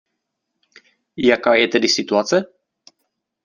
Jaká je tedy situace?